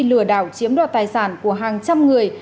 lừa đảo chiếm đoạt tài sản của hàng trăm người